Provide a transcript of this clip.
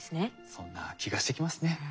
そんな気がしてきますね。